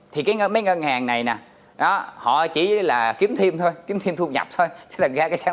thì cái mấy ngân hàng này nè họ chỉ là kiếm thêm thôi kiếm thêm thu nhập thôi chứ là ra cái sản